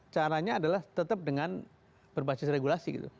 caranya adalah tetap dengan berbasis regulasi gitu